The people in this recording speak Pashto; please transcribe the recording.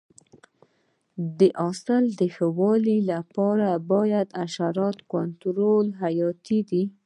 د حاصل د ښه والي لپاره د حشراتو کنټرول حیاتي دی.